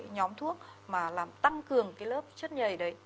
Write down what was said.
nhóm thuốc mà làm tăng cường cái lớp chất nhầy đấy